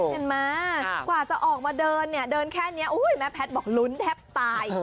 เห็นไหมกว่าจะออกมาเดินเนี่ยเดินแค่นี้แม่แพทย์บอกลุ้นแทบตาย